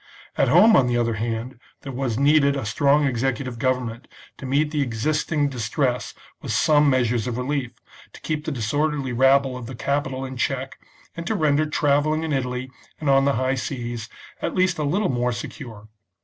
At home, on the other hand, there was needed a strong executive government to meet the existing distress with some measures of relief, to keep the disorderly rabble of the capital in check, and to render travelling in Italy and on the high seas at least a little more secure.